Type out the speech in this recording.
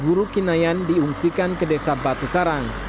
guru kinayan diungsikan ke desa batu karang